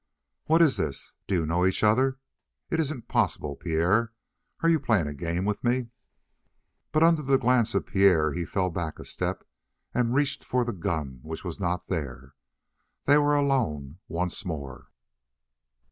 "What's this? Do you know each other? It isn't possible! Pierre, are you playing a game with me?" But under the glance of Pierre he fell back a step, and reached for the gun which was not there. They were alone once more.